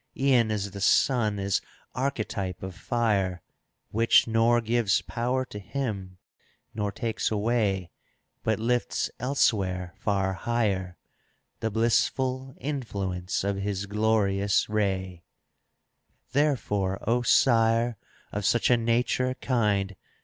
E'en as the sun is archetype of fire, Which nor gives power to him nor takes away, But lifts elsewhere far higher The blissful influence of his glorious ray. Therefore, O Sire, of such a nature kind.